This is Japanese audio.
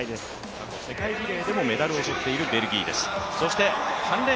過去世界リレーでもメダルを取っているベルギーです。